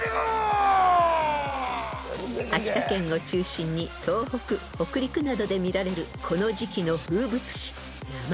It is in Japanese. ［秋田県を中心に東北北陸などで見られるこの時季の風物詩］